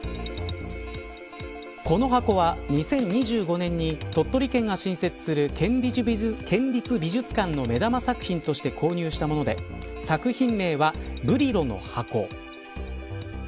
この箱は２０２５年に鳥取県が新設する県立美術館の目玉作品として購入したもので作品名はブリロの箱。